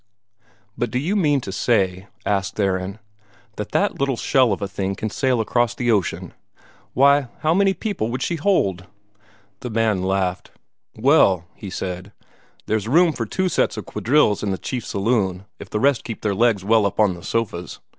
"But do you mean to say," asked Theron, "that that little shell of a thing can sail across the ocean? Why, how many people would she hold?" The man laughed. "Well," he said, "there's room for two sets of quadrilles in the chief saloon, if the rest keep their legs well up on the sofas.